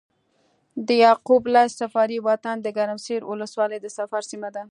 د يعقوب ليث صفاري وطن د ګرمسېر ولسوالي د صفار سيمه ده۔